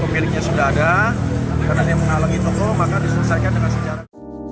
pemiliknya sudah ada karena dia menghalangi toko maka diselesaikan dengan sejarah